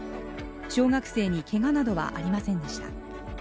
小学生にけがなどはありませんでした。